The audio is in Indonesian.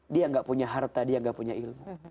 dia tidak punya harta dia tidak punya ilmu